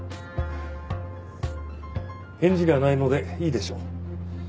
返事がないのでいいでしょう。